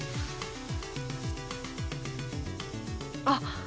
あっ！